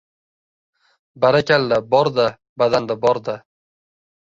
Barakalla! Bor-da, badanda bor-da!